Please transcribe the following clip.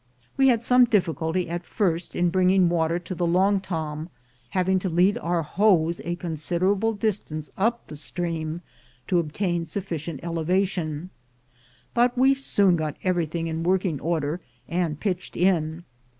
We had some dif fiaAty at first in bringing water to the long tom, having to lead our hose a considerable distance up the stream to obtain sufficient elevation; but we soon got e\'en'thing in working order, and pitched in.